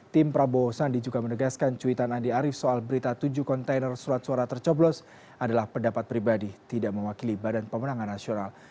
tim prabowo sandi juga menegaskan cuitan andi arief soal berita tujuh kontainer surat suara tercoblos adalah pendapat pribadi tidak mewakili badan pemenangan nasional